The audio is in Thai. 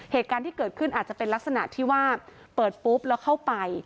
เหตุการณ์ที่เกิดขึ้นอาจจะเป็นลักษณะที่ว่าเปิดปุ๊บแล้วเข้าไป